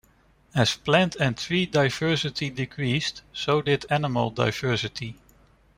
As plant and tree diversity decreased, so did animal diversity.